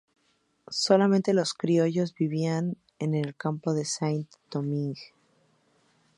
Solamente los criollos vivían en el campo de Saint-Domingue.